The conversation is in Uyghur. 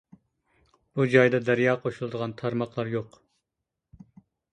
بۇ جايدا دەريا قوشۇلىدىغان تارماقلار يوق.